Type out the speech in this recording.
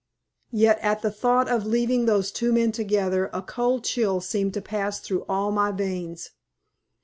Yet at the thought of leaving those two men together a cold chill seemed to pass through all my veins.